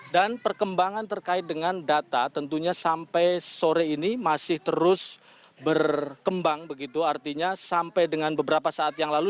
dan perkembangan terkait dengan data tentunya sampai sore ini masih terus berkembang begitu artinya sampai dengan beberapa saat yang lalu